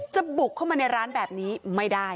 บุกเข้ามาในร้านแบบนี้ไม่ได้